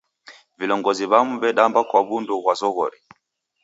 Vilongozi w'amu w'edamba kwa w'undu ghwa zoghori.